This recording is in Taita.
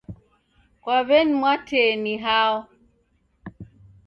Kwa w'eni Mwatee ni hao?